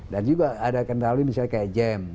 dan juga ada kendali misalnya kayak jem